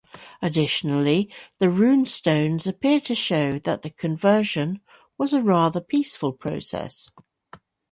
Additionally, the runestones appear to show that the conversion was a rather peaceful process.